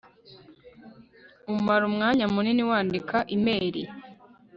umara umwanya munini wandika imeri